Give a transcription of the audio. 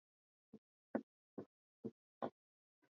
za nchi ya swaziland ukipita ukipatikana na kosa la mauaji